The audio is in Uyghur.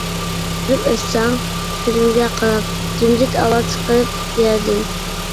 كۈلۈپ ئۆتسەڭ كۈزۈمگە قاراپ، جىمجىت ئاۋاز چىقىرىپ يەردىن.